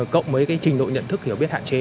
cộng với trình độ nhận thức hiểu biết hạn chế